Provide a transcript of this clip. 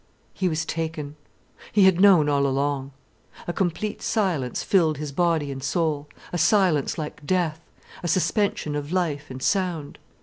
He was taken. He had known all along. A complete silence filled his body and soul, a silence like death, a suspension of life and sound.